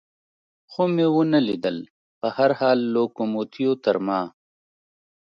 خو مې و نه لیدل، په هر حال لوکوموتیو تر ما.